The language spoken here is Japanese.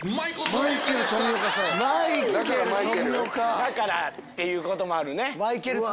「だから」っていうこともあるね。